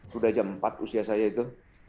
sudah jam empat usia saya itu